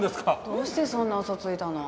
どうしてそんなウソついたの？